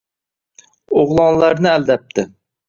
O‘g‘lonlarni aldabdi.